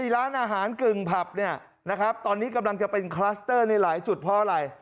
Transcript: ร้านอาหารกึ่งผับเนี่ยนะครับตอนนี้กำลังจะเป็นคลัสเตอร์ในหลายจุดเพราะอะไร